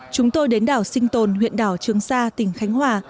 chúng tôi đến đảo sinh tồn huyện đảo trường sa tỉnh khánh hòa